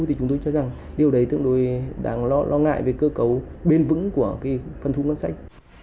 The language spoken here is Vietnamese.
thì chúng tôi cho rằng điều đấy tương đối đáng lo ngại về cơ cấu bền vững của phân thu ngân sách